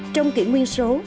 trong kỷ nguyên số